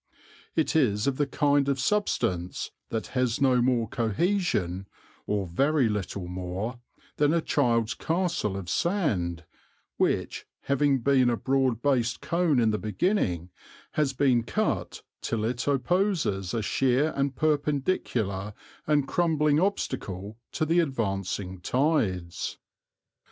It is of the kind of substance that has no more cohesion, or very little more, than a child's castle of sand, which, having been a broad based cone in the beginning, has been cut till it opposes a sheer and perpendicular and crumbling obstacle to the advancing tides.